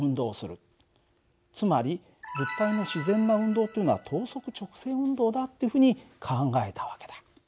つまり物体の自然な運動というのは等速直線運動だっていうふうに考えた訳だ。